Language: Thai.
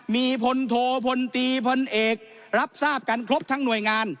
มีพลโทพลตีพลเอกรับทราบกันครบทั้งหน่วยงาน